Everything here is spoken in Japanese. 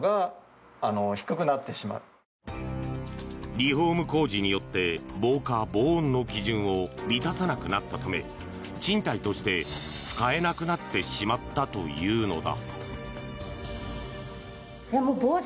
リフォーム工事によって防火・防音の基準を満たさなくなったため賃貸として使えなくなってしまったというのだ。